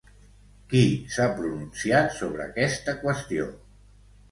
Qui s'ha pronunciat sobre aquesta qüestió?